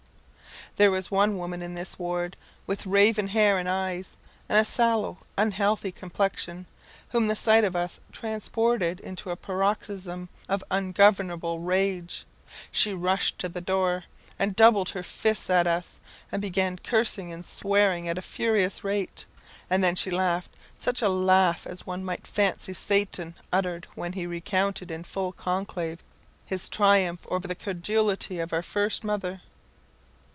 There was one woman in this ward, with raven hair and eyes, and a sallow, unhealthy complexion, whom the sight of us transported into a paroxysm of ungovernable rage. She rushed to the door, and doubled her fists at us, and began cursing and swearing at a furious rate, and then she laughed such a laugh as one might fancy Satan uttered when he recounted, in full conclave, his triumph over the credulity of our first mother.